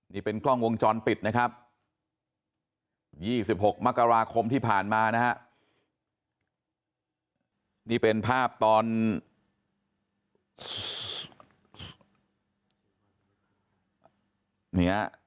นี่เป็นกล้องวงจรปิดนะครับ๒๖มกราคมที่ผ่านมานะฮะนี่เป็นภาพตอน